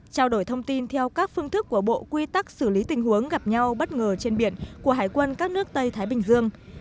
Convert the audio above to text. trao đổi thông tin theo các phương thức của bộ quy tắc xử lý tình huống gặp nhau bất ngờ trên biển của hải quân các nước tây thái bình dương